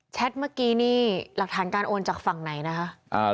เมื่อกี้นี่หลักฐานการโอนจากฝั่งไหนนะคะ